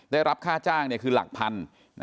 ได้รับค่าจ้างคือหลักพัน